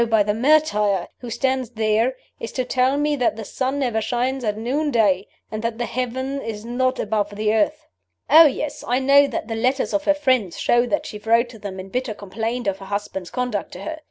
by the martyr who stands there, is to tell me that the sun never shines at noonday, or that the heaven is not above the earth. "Oh yes! I know that the letters of her friends show that she wrote to them in bitter complaint of her husband's conduct to her.